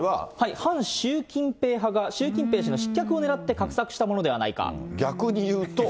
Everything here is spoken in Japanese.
反習近平派が習近平氏の失脚をねらって画策したものではない逆に言うと。